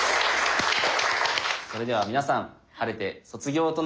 それでは皆さん晴れて卒業となります。